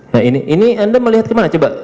nah ini anda melihat gimana coba